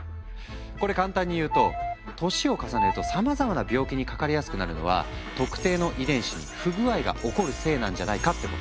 これ簡単に言うと年を重ねるとさまざまな病気にかかりやすくなるのは特定の遺伝子に不具合が起こるせいなんじゃないかってこと。